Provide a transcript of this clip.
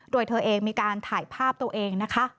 โดยเธอเองมีการถ่ายภาพตัวเองนะคะ